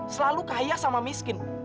selalu kaya sama miskin